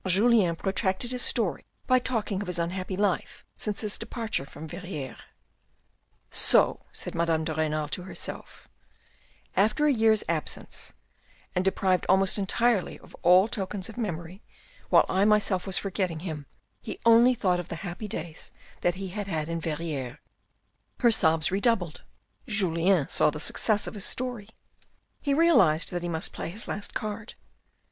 Julien pro tracted his story by talking of his unhappy life since his departure from Verrieres. " So," said Madame de Renal to herself, " after a year's absence and deprived almost entirely of all tokens of memory while I myself was forgetting him, he only thought of the happy days that he had had in Verrieres." Her sobs redoubled. Julien saw the success of his story. He realised that he must play his last card.